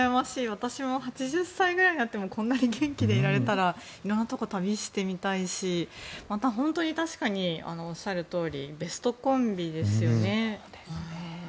私も８０歳ぐらいになってもこんなに元気でいられたら色んなところを旅してみたいしまた本当におっしゃるとおりベストコンビですよね。